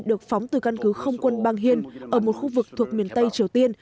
được phóng từ căn cứ không quân bang hiên ở một khu vực thuộc miền tây triều tiên